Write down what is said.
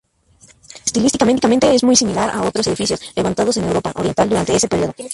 Estilísticamente es muy similar a otros edificios levantados en Europa Oriental durante ese período.